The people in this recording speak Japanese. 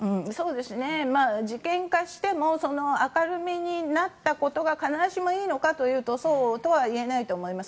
事件化しても明るみになったことが必ずしもいいのかというとそうとは言えないと思います。